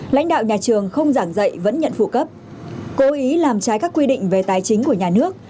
lãnh đạo nhà trường không giảng dạy vẫn nhận phụ cấp cố ý làm trái các quy định về tài chính của nhà nước